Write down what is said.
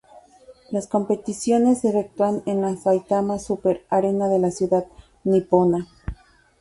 Las competiciones se efectúan en la Saitama Super Arena de la ciudad nipona.